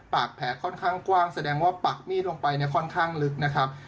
ปากแผลค่อนข้างกว้างแสดงว่าปักมีดลงไปเนี่ยค่อนข้างลึกนะครับ